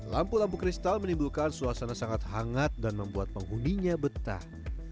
lampu lampu kristal menimbulkan suasana sangat hangat dan membuat penghuninya betah